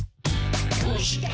「どうして？